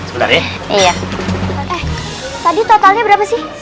eh tadi totalnya berapa sih